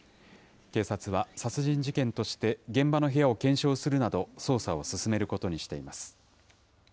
警察は殺人事件として現場の部屋を検証するなど、捜査を進めるこ